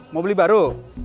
mau beli baru